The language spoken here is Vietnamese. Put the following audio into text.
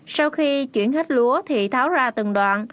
sau khi chuyển hết lúa thì tháo ra từng đoạn